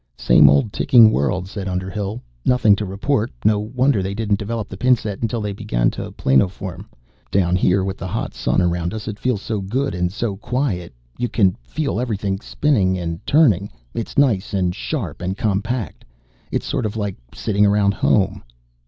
"Same old ticking world," said Underhill. "Nothing to report. No wonder they didn't develop the pin set until they began to planoform. Down here with the hot Sun around us, it feels so good and so quiet. You can feel everything spinning and turning. It's nice and sharp and compact. It's sort of like sitting around home."